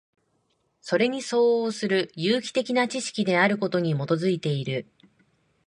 それに相応する有機的な知識であることに基いている。